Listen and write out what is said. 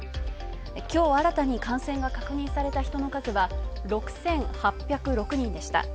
きょう新たに感染が確認された人の数は６８０６人でした。